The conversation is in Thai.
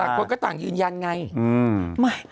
ต่างกับต่างยืนยันไง